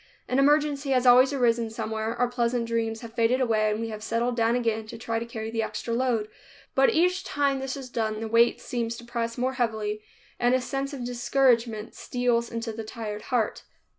An emergency has always arisen somewhere, our pleasant dreams have faded away, and we have settled down again to try to carry the extra load; but each time this is done, the weight seems to press more heavily and a sense of discouragement steals into the tired heart.